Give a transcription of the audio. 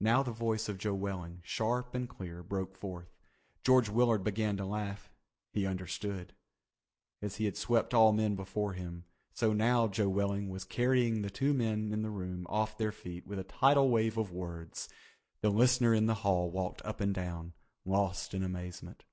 Now the voice of Joe Welling, sharp and clear, broke forth. George Willard began to laugh. He understood. As he had swept all men before him, so now Joe Welling was carrying the two men in the room off their feet with a tidal wave of words. The listener in the hall walked up and down, lost in amazement.